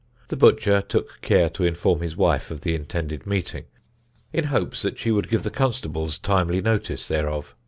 The butcher took care to inform his wife of the intended meeting, in hopes that she would give the Constables timely notice thereof.